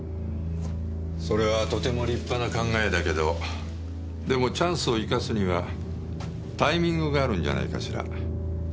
それはとても立派な考えだけどでもチャンスを生かすにはタイミングがあるんじゃないかしら。